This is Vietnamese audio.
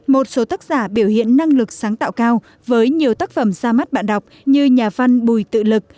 một số tác giả biểu hiện năng lực sáng tạo cao với nhiều tác phẩm ra mắt bạn đọc như nhà văn bùi tự lực